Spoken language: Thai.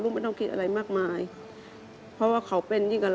ลูกไม่ต้องคิดอะไรมากมาย